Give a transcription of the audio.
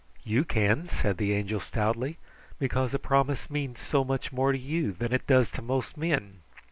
"You can," said the Angel stoutly, "because a promise means so much more to you than it does to most men."